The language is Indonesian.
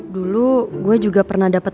dulu gue juga pernah dapat